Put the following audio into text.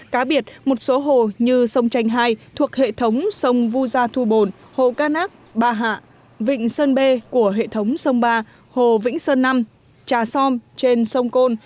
cá biệt một số hồ như sông tranh hai thuộc hệ thống sông vu gia thu bồn hồ ca nác ba hạ vịnh sơn bê của hệ thống sông ba hồ vĩnh sơn năm trà som trên sông côn